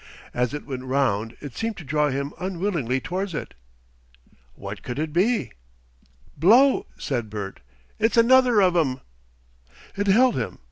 As it went round it seemed to draw him unwillingly towards it.... What could it be? "Blow!" said Bert. "It's another of 'em." It held him.